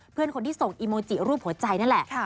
เพื่อนคนที่ส่งอีโมจิรูปหัวใจนั่นแหละ